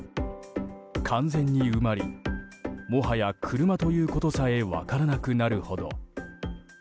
完全に埋まりもはや車ということさえ分からなくなるほど。